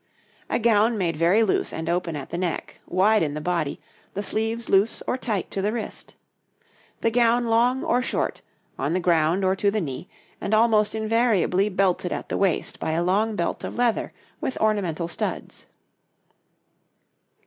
A gown made very loose and open at the neck, wide in the body, the sleeves loose or tight to the wrist. The gown long or short, on the ground or to the knee, and almost invariably belted at the waist by a long belt of leather with ornamental studs.